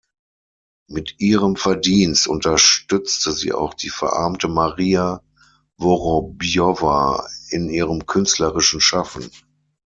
Mit ihrem Verdienst unterstützte sie auch die verarmte Maria Worobjowa in ihrem künstlerischen Schaffen.